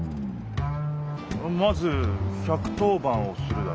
まず１１０番をするだろ？